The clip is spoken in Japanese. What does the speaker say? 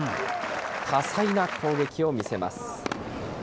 多彩な攻撃を見せます。